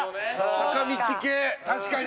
坂道系確かに！